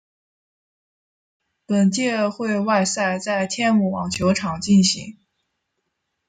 本届会外赛在天母网球场进行。